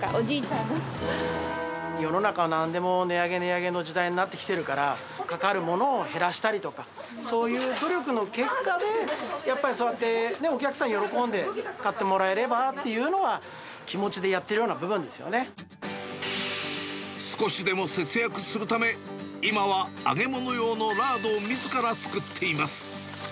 世の中、なんでも値上げ、値上げの時代になってきてるから、かかるものを減らしたりとか、そういう努力の結果で、やっぱりそうやって、お客さん喜んで買ってもらえればっていうのは、気持ちでやってる少しでも節約するため、今は揚げ物用のラードをみずから作っています。